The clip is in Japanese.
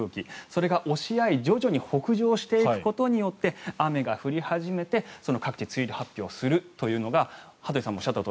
それが押し合い徐々に北上していくことによって雨が降り始めて各地、梅雨入り発表するというのが羽鳥さんもおっしゃった